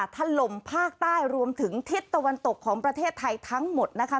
ถล่มภาคใต้รวมถึงทิศตะวันตกของประเทศไทยทั้งหมดนะคะ